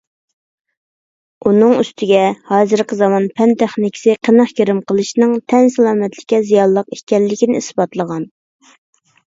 ئۇنىڭ ئۈستىگە، ھازىرقى زامان پەن-تېخنىكىسى قېنىق گىرىم قىلىشنىڭ تەن سالامەتلىككە زىيانلىق ئىكەنلىكىنى ئىسپاتلىغان.